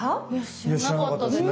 知らなかったですね。